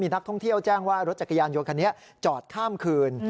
นักท่องเที่ยวแจ้งว่ารถจักรยานยนต์คันนี้จอดข้ามคืน